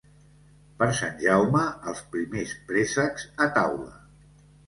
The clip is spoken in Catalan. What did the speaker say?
Per Sant Jaume, els primers préssecs a taula.